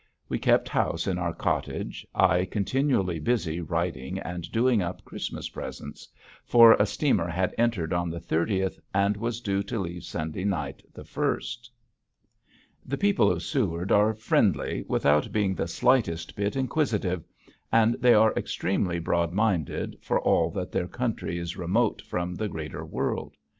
We kept house in our cottage, I continually busy writing and doing up Christmas presents, for a steamer had entered on the thirtieth and was due to leave Sunday night, the first. The people of Seward are friendly without being the slightest bit inquisitive, and they are extremely broad minded for all that their country is remote from the greater world.